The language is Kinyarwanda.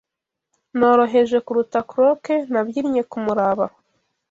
Noroheje kuruta cork Nabyinnye kumuraba